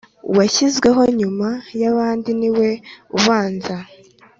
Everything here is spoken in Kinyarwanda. washyizweho nyuma y abandi ni we ubanza